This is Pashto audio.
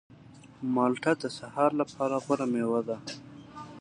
مالټه د سهار لپاره غوره مېوه ده.